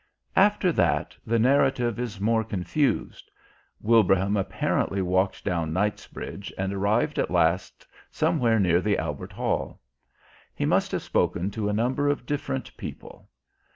After that the narrative is more confused. Wilbraham apparently walked down Knightsbridge and arrived at last somewhere near the Albert Hall. He must have spoken to a number of different people.